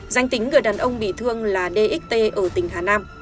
danh tính người đàn ông bị thương là dxt ở tỉnh hà nam